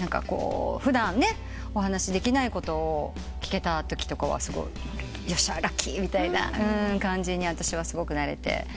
普段お話しできないことを聞けたときとかは「よっしゃ。ラッキー」みたいな感じに私はすごくなれて。